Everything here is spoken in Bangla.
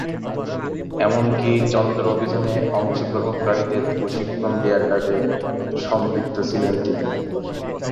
এমনকি চন্দ্র অভিযানে অংশগ্রহণকারীদের প্রশিক্ষণ দেওয়ার কাজে সম্পৃক্ত ছিলেন তিনি।